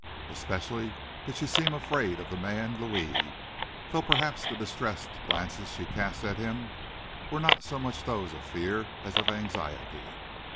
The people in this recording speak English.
Especially did she seem afraid of the man, Louis. Though perhaps the distressed glances she cast at him were not so much those of fear as of anxiety.